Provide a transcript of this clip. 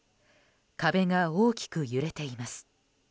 壁が大きく揺れています。